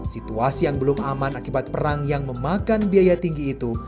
situasi yang belum aman akibat perang yang memakan biaya tinggi itu